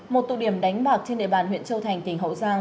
một tụ điểm đánh bạc trên địa bàn huyện châu thành tỉnh hậu giang